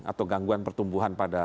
atau gangguan pertumbuhan